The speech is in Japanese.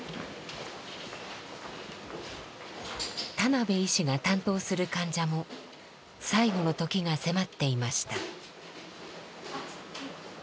田邉医師が担当する患者も最期の時が迫っていました。